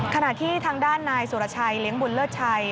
ขณะที่ทางด้านนายสุรชัยเลี้ยงบุญเลิศชัย